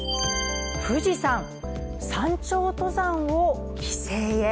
富士山、山頂登山を規制へ。